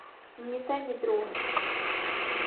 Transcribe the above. Ні те, ні друге.